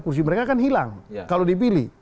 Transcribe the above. kursi mereka akan hilang kalau dipilih